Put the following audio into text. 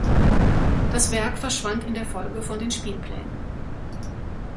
Das Werk verschwand in der Folge von den Spielplänen.